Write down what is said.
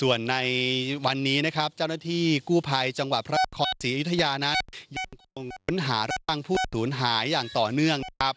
ส่วนในวันนี้นะครับเจ้าหน้าที่กู้ภัยจังหวัดพระนครศรีอยุธยานั้นยังคงค้นหาร่างผู้สูญหายอย่างต่อเนื่องนะครับ